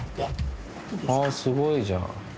あぁすごいじゃん。